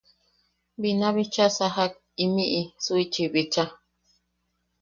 Bina bicha sajak imiʼi suichi bicha.